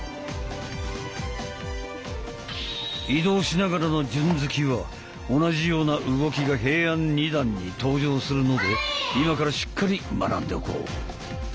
移動しながらの順突きは同じような動きが平安二段に登場するので今からしっかり学んでおこう！